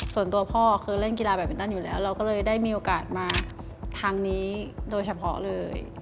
ส่วนตัวพ่อคือเล่นกีฬาแบบวินตันอยู่แล้วเราก็เลยได้มีโอกาสมาทางนี้โดยเฉพาะเลย